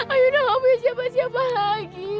ayu udah gak punya siapa siapa lagi